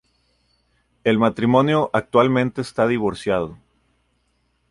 El matrimonio actualmente está divorciado.